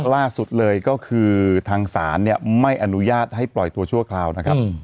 ล่าสุดเลยก็คือทางศาลเนี่ยไม่อนุญาตให้ปล่อยตัวชั่วคราวนะครับ